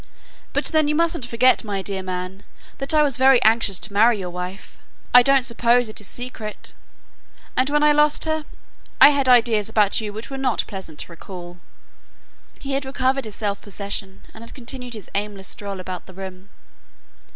"But then you mustn't forget, my dear man, that I was very anxious to marry your wife. I don't suppose it is secret. And when I lost her, I had ideas about you which are not pleasant to recall." He had recovered his self possession and had continued his aimless stroll about the room.